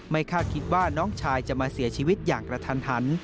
คาดคิดว่าน้องชายจะมาเสียชีวิตอย่างกระทันหัน